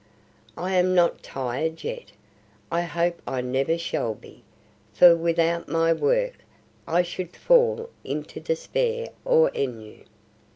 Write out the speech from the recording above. "I am not tired yet: I hope I never shall be, for without my work I should fall into despair or ennui.